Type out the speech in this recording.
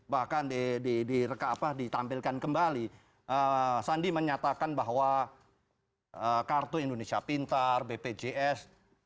bahkan ditampilkan kembali sandi menyatakan bahwa kartu indonesia pintar bpjs